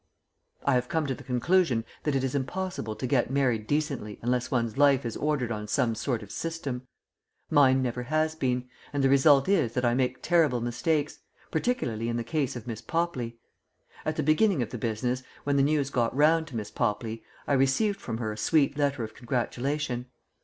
I have come to the conclusion that it is impossible to get married decently unless one's life is ordered on some sort of system. Mine never has been; and the result is that I make terrible mistakes particularly in the case of Miss Popley. At the beginning of the business, when the news got round to Miss Popley, I received from her a sweet letter of congratulation.